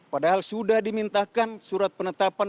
padahal sudah dimintakan surat penetapan